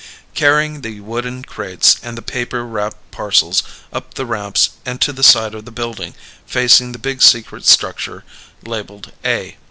Carrying the wooden crates and the paper wrapped parcels up the ramps and to the side of the building facing the big secret structure labeled A.